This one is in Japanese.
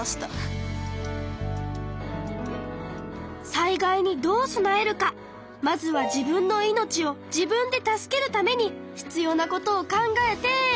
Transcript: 災害にどう備えるかまずは自分の命を自分で助けるために必要なことを考えて。